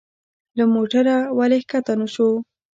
له موټره ولي کښته نه شو؟